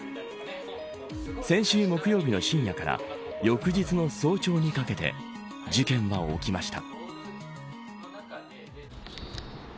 先週木曜日の深夜から翌日の早朝にかけて事件は起きました。